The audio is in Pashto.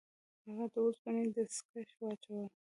هغه د اوسپنې دستکش واچول.